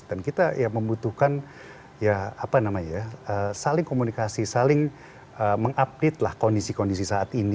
dan kita membutuhkan saling komunikasi saling mengupdate kondisi kondisi saat ini